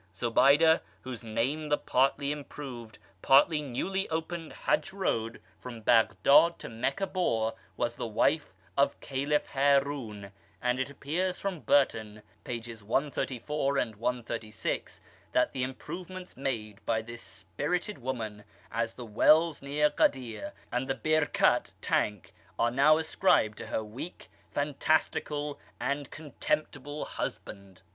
Zobayda, whose name the partly improved, partly newly opened Hajj Road from Baghdad to Meccah bore, was the wife of Caliph Harun, and it appears from Burton, pp. 134 and 136, that the improvements made by this spirited womanas the wells near Ghadir, and the Birkat (Tank)are now ascribed to her weak, fantastical, and contemptible husband.